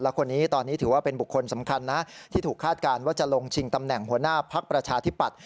และคนนี้ตอนนี้ถือว่าเป็นบุคคลสำคัญนะที่ถูกคาดการณ์ว่าจะลงชิงตำแหน่งหัวหน้าพักประชาธิปัตย